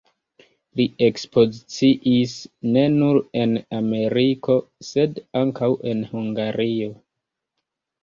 Li ekspoziciis ne nur en Ameriko, sed ankaŭ en Hungario.